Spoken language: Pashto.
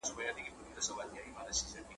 پر وزر یمه ویشتلی آشیانې چي هېر مي نه کې `